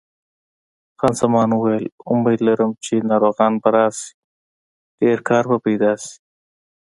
خان زمان وویل: امید لرم چې ناروغان به راشي، ډېر کار به پیدا شي.